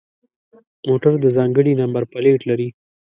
موټر د ځانگړي نمبر پلیت لري.